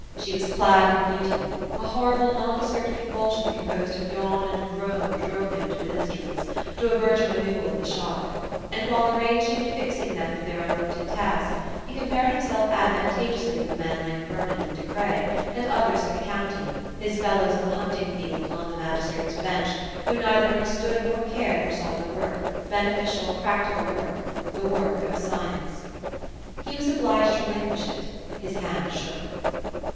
She was clad in beauty. A horrible nondescript convulsion composed of yawn and groan drove him to his instruments, to avert a renewal of the shock; and while arranging and fixing them for their unwonted task, he compared himself advantageously with men like Vernon and De Craye, and others of the county, his fellows in the hunting field and on the Magistrate's bench, who neither understood nor cared for solid work, beneficial practical work, the work of Science. He was obliged to relinquish it: his hand shook.